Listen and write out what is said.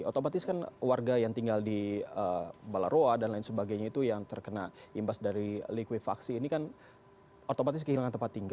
otomatis kan warga yang tinggal di balaroa dan lain sebagainya itu yang terkena imbas dari likuifaksi ini kan otomatis kehilangan tempat tinggal